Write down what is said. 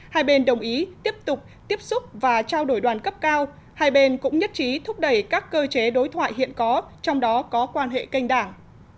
hai bên đồng ý tiếp tục tiếp xúc và trao đổi đoàn cấp cao hai bên cũng nhất trí thúc đẩy các cơ chế đối thoại hiện có trong đó có quan hệ kênh đảng